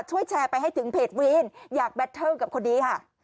ช่วยแชร์ไปให้ถึงเพจวีนอยากแบตเทิลกับคนนี้ค่ะ